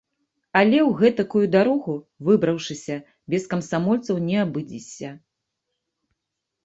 Але, у гэтакую дарогу выбраўшыся, без камсамольцаў не абыдзіся.